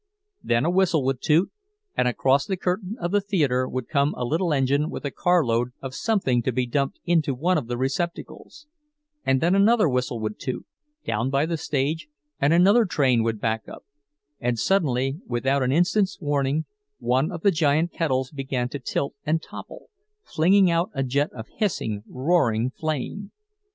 Then a whistle would toot, and across the curtain of the theater would come a little engine with a carload of something to be dumped into one of the receptacles; and then another whistle would toot, down by the stage, and another train would back up—and suddenly, without an instant's warning, one of the giant kettles began to tilt and topple, flinging out a jet of hissing, roaring flame.